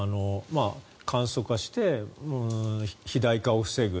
簡素化して、肥大化を防ぐ。